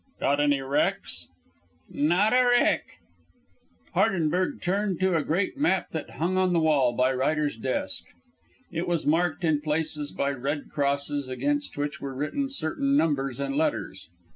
"Got any wrecks?" "Not a wreck." Hardenberg turned to a great map that hung on the wall by Ryder's desk. It was marked in places by red crosses, against which were written certain numbers and letters.